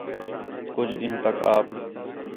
کُج ݙِین٘ہوں تک آپ